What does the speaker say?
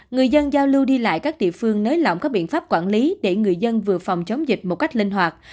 người dân giao lưu đi lại các địa phương nới lỏng các biện pháp quản lý để người dân vừa phòng chống dịch một cách linh hoạt